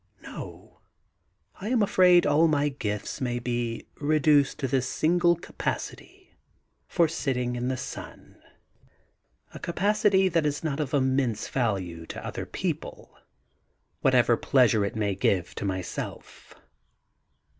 Nol I'm afraid all my gifts may be reduced to this single capacity for sitting in the sun — a 8 THE GARDEN GOD capacity that is not of immense value to other people, whatever pleasure it may give to myself.